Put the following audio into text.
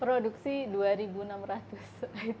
produksi dua enam ratus item per bulan